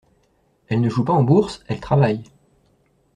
Elle ne joue pas en bourse, elle travaille.